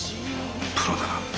プロだな。